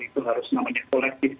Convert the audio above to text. itu harus namanya kolektif